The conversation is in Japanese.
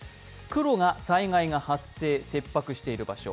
黒が災害が発生、切迫している場所